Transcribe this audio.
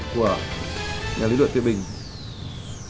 của nhà lý luận tựa bình